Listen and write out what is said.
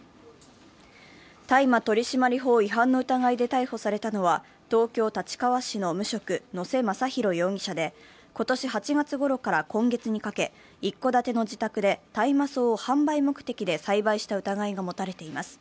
大麻取締法違反の疑いで逮捕されたのは東京・立川市の無職、野瀬雅大容疑者で今年８月ごろから今月にかけ、一戸建ての自宅で大麻草を販売目的で栽培した疑いが持たれています。